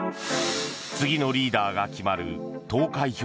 次のリーダーが決まる投開票